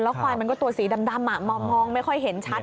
ควายมันก็ตัวสีดำมองไม่ค่อยเห็นชัด